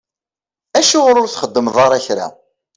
Acuɣeṛ ur txeddmeḍ ara kra?